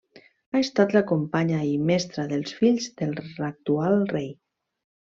Ha estat la companya i mestra dels fills de l'actual rei.